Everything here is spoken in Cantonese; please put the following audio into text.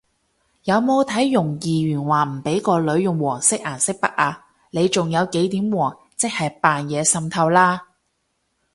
有冇睇容議員話唔畀個女用黃色顏色筆啊？你仲有幾點黃即係扮嘢滲透啦！？